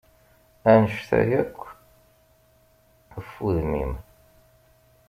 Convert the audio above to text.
Annect-a yark, af udem-im!